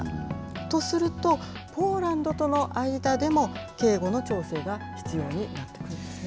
とすると、ポーランドとの間でも、警護の調整が必要になってくるんですね。